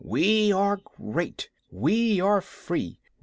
"We are great. We are free.